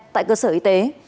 tại cơ sở y tế